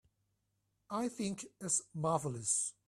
I think it's marvelous.